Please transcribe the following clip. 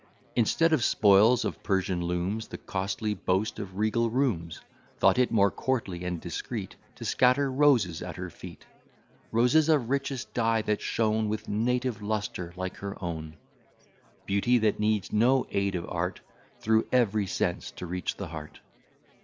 Instead of spoils of Persian looms, The costly boast of regal rooms, Thought it more courtly and discreet To scatter roses at her feet; Roses of richest dye, that shone With native lustre, like her own; Beauty that needs no aid of art Through every sense to reach the heart.